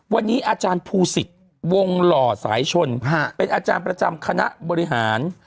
วันนี้อาจารย์ภูศิษย์วงหล่อสายชนเป็นอาจารย์ประจำคณะบริหาร